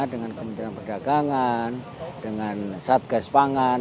dengan kementerian perdagangan dengan satgas pangan